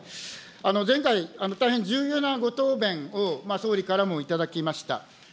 前回、大変重要なご答弁を総理からも頂きました。